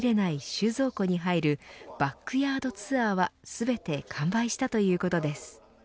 収蔵庫に入るバックヤードツアーは全て完売したということです。